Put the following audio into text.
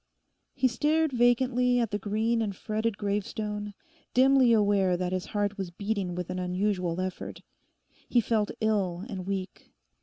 He stared vacantly at the green and fretted gravestone, dimly aware that his heart was beating with an unusual effort. He felt ill and weak.